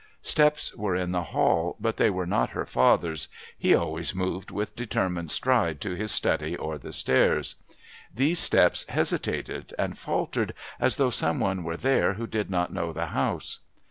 Steps were in the hall, but they were not her father's; he always moved with determined stride to his study or the stairs. These steps hesitated and faltered as though some one were there who did not know the house.